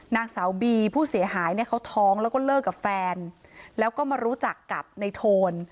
นางสาวบีผู้เสียหายเนี่ยเขาท้องแล้วก็เลิกกับแฟนแล้วก็มารู้จักกับในโทน